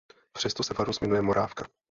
Přesto se farnost jmenuje Morávka.